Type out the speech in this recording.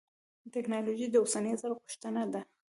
تکنالوجي د اوسني عصر غوښتنه ده.